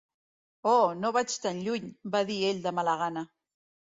"Oh, no vaig tant lluny", va dir ell de mala gana.